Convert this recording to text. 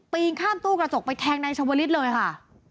ปีนข้ามตู้กระจกไปแทงในชวนลิศเลยค่ะ